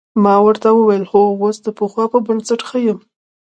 ما ورته وویل: هو، اوس د پخوا په نسبت ښه یم.